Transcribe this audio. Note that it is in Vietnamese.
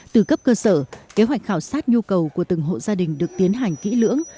từ cấp cơ sở kế hoạch khảo sát nhu cầu của từng hộ gia đình được tiến hành kỹ lưỡng